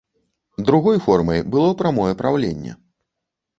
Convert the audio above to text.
Другой формай было прамое праўленне.